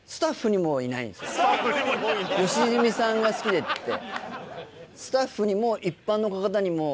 「良純さんが好きで」って。